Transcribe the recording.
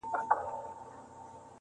جهاني اوس دي په ژبه پوه سوم-